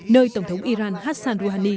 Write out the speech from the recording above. nơi tổng thống iran hassan rouhani